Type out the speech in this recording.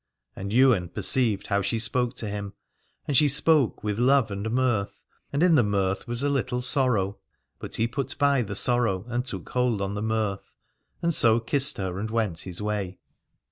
And Ywain perceived how she spoke to him ; and she spoke with love and mirth, and in the mirth was a little sorrow : but he put by the sorrow and took hold on the mirth, and so kissed her and went his way.